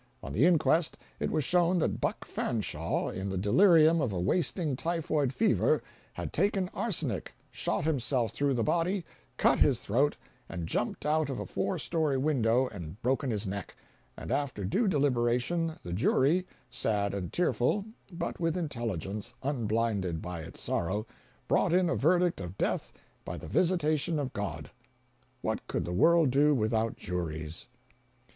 On the inquest it was shown that Buck Fanshaw, in the delirium of a wasting typhoid fever, had taken arsenic, shot himself through the body, cut his throat, and jumped out of a four story window and broken his neck—and after due deliberation, the jury, sad and tearful, but with intelligence unblinded by its sorrow, brought in a verdict of death "by the visitation of God." What could the world do without juries?